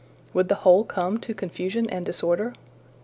Would the whole come to confusion and disorder?